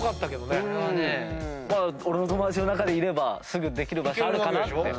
俺の友達の中にいればすぐできる場所あるかなって。